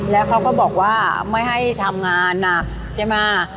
แล้วเค้าก็บอกว่าไม่ให้ทำงานนะเจมมา